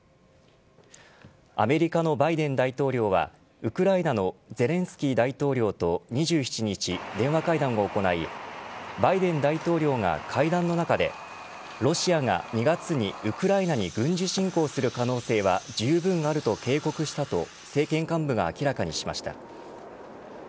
アメリカのバイデン大統領はウクライナのゼレンスキー大統領と２７日、電話会談を行いバイデン大統領が会談の中でロシアが２月にウクライナに軍事侵攻する可能性はじゅうぶんあると警告したと政権幹部が明らかにしました。